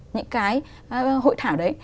những cái hội thảo đấy